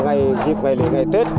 ngày dịp ngày lễ ngày tết